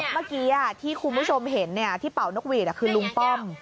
เมื่อกี้ที่คุณผู้ชมเห็นที่เป่านกหวีดคือลุงป้อม